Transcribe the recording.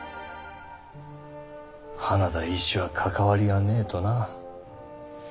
花田医師は関わりがねえとな。